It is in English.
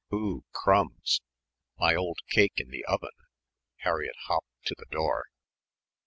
Oo Crumbs! My old cake in the oven!" Harriett hopped to the door.